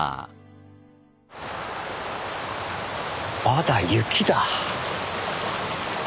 まだ雪だ。